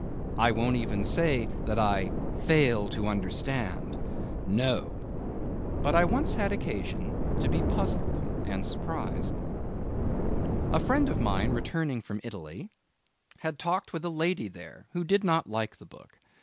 I won't even say that I 'fail to understand ...' No! But once I had occasion to be puzzled and surprised. A friend of mine returning from Italy had talked with a lady there who did not like the book.